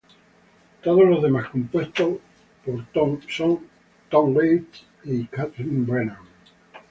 Todos los temas compuestos por Tom Waits y Kathleen Brennan.